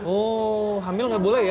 oh hamil nggak boleh ya